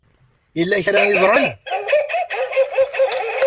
Yella kra ay ẓran?